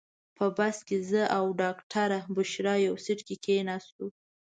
په بس کې زه او ډاکټره بشرا یو سیټ کې کېناستو.